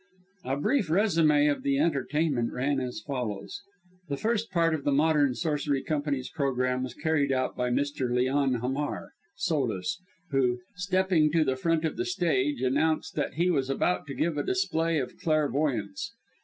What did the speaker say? '" A brief résumé of the entertainment ran as follows: The first part of the Modern Sorcery Company's programme was carried out by Mr. Leon Hamar, solus, who, stepping to the front of the stage, announced that he was about to give a display of clairvoyance.